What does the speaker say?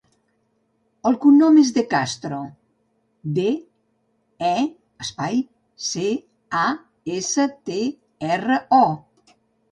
El cognom és De Castro: de, e, espai, ce, a, essa, te, erra, o.